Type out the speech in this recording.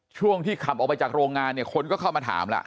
ช่วงที่ขับออกไปจากโรงงานเนี่ยคนก็เข้ามาถามแล้ว